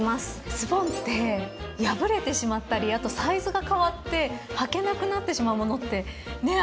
ズボンって破れてしまったりあとサイズが変わってはけなくなってしまうものってねっ？